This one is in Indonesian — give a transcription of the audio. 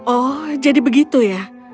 oh jadi begitu ya